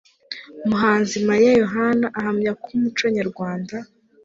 muhanzi mariya yohana ahamya ko mu muco nyarwanda